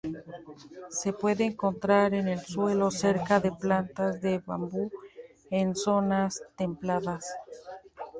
Se puede encontrar en el suelo cerca de plantas de bambú, en zonas templadas.